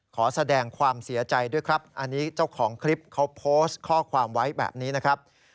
ขอแสดงความเสียใจด้วยครับอันนี้เจ้าของคลิปเขาโพสต์ข้อความไว้แบบนี้นะครับ